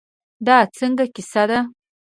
دا څنګه کیسه ده.